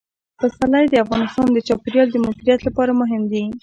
پسرلی د افغانستان د چاپیریال د مدیریت لپاره مهم دي.